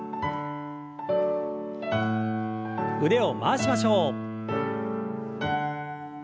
腕を回しましょう。